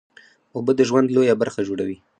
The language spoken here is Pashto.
اوبه د ژوند لویه برخه جوړوي